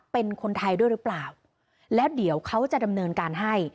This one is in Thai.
เป็นคนไทยด้วยหรือเปล่าแล้วเดี๋ยวเขาจะดำเนินการให้